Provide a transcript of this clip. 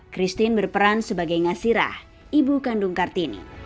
christine berperan sebagai ngasirah ibu kandung kartini